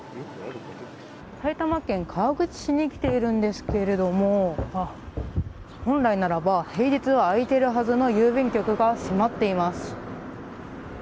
埼玉県川口市に来ているんですが本来ならば平日は開いているはずの郵便局が閉まっています。